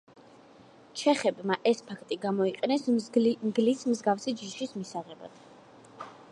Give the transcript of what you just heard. ჩეხებმა ეს ფაქტი გამოიყენეს მგლის მსგავსი ჯიშის მისაღებად.